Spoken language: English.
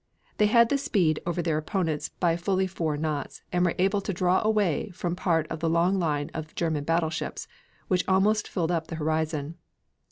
They had the speed over their opponents by fully four knots, and were able to draw away from part of the long line of German battleships, which almost filled up the horizon.